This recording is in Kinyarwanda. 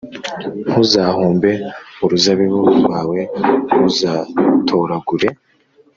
Ntuzahumbe uruzabibu rwawe ntuzatoragure